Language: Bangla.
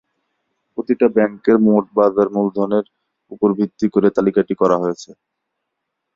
প্রতিটি ব্যাংকের মোট বাজার মূলধনের উপর ভিত্তি করে তালিকাটি করা হয়েছিল।